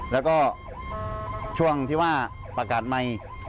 แล้วก็ช่วงที่ว่าประกาศใหม่